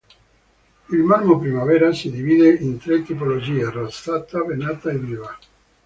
Il Marmo Primavera si divide in tre tipologie: Rosata, Venata, Viva.